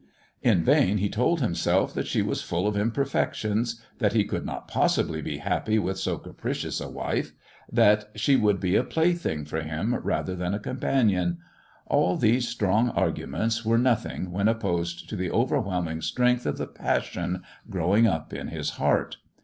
In vain he told himself that she was full of imperfections, that he could not possibly be happy with so capricious a wife, that she would be a plaything for him rather than a companion ; all these strong arguments were nothing when opposed to the overwhelming strength of the passion growing up in his heart.